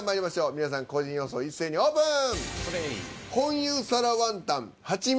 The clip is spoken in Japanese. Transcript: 皆さん個人予想一斉にオープン。